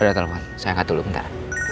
udah telfon saya angkat dulu bentar